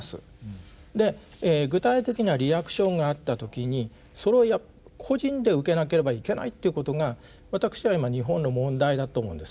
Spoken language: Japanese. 具体的なリアクションがあった時にそれを個人で受けなければいけないということが私は今日本の問題だと思うんですね。